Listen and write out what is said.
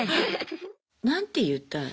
何て言ったの？